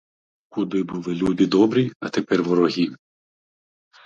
Куди були люди добрі, а тепер вороги.